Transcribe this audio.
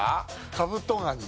カブトガニ。